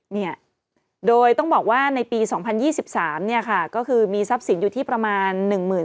เนี่ยโดยต้องบอกว่าในปี๒๐๒๓เนี่ยค่ะก็คือมีทรัพย์สินอยู่ที่ประมาณ๑๐๐๐